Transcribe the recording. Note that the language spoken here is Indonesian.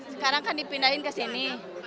sekarang kan dipindahin ke sini